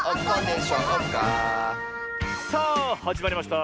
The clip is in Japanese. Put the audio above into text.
さあはじまりました